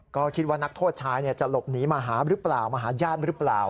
ก็คิดว่านักโทษชายจะหลบหนีมาหาหรือเปล่ามาหาญาติหรือเปล่า